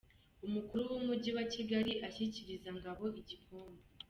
Umukuru w'Umujyi wa Kigali ashyikiriza Ngabo igikombe.